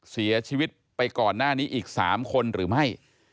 เสียชีวิตไปก่อนหน้านี้อีก๓คนหรือไม่